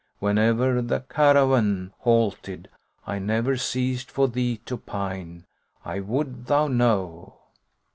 when'er the caravan * Halted, I never ceased for thee to pine, I would thou know."